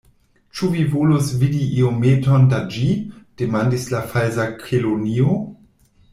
"Ĉu vi volus vidi iometon da ĝi?" demandis la Falsa Kelonio.